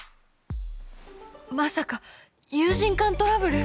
まさか友人間トラブル！？